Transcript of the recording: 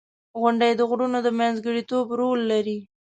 • غونډۍ د غرونو د منځګړیتوب رول لري.